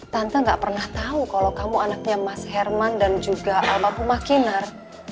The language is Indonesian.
tante ga pernah tau kalau kamu anaknya mas herman dan juga alma pumah kinar